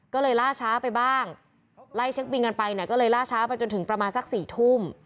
ก็เลยล่าช้าไปบ้างไล่เช็คบินกันไปเนี่ยก็เลยล่าช้าไปจนถึงประมาณสัก๔ทุ่ม